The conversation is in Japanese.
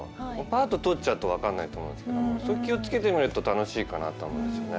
パッと通っちゃうと分かんないと思うんですけどそこ気を付けて見ると楽しいかなと思うんですよね。